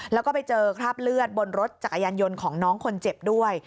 แล้วก็ไปเจอคราบเลือดบนรถจักรยานยนต์ของน้องคนเจ็บด้วย